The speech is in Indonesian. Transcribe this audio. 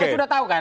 sudah tahu kan